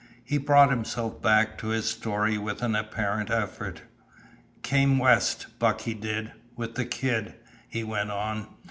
He brought himself back to his story with an apparent effort. "Came west, Bucky did with the kid," he went on.